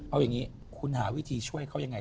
เอาอย่างนี้คุณหาวิธีช่วยเขายังไง